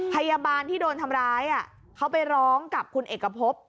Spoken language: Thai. พยาบาลที่โดนทำร้ายเขาไปร้องกับคุณเอกพบ